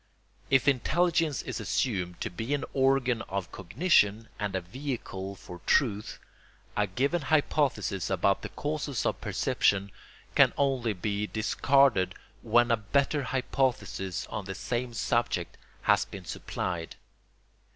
If intelligence is assumed to be an organ of cognition and a vehicle for truth, a given hypothesis about the causes of perception can only be discarded when a better hypothesis on the same subject has been supplied.